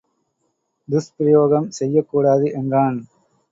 துஷ்பிரயோகம் செய்யக்கூடாது. என்றான்.